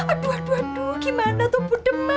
aduh aduh aduh gimana tuh